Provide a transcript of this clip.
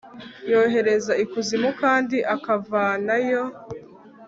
yohereza ikuzimu kandi akavanayo